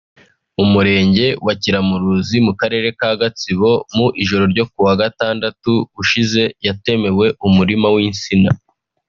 mu Murenge wa Kiramuruzi mu Karere ka Gatsibo mu ijoro ryo kuwa gatandatu ushize yatemewe umurima w’insina